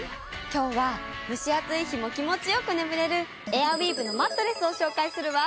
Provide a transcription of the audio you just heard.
今日は蒸し暑い日も気持ち良く眠れるエアウィーヴのマットレスを紹介するわ。